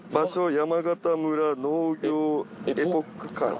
山形村農業エポック館。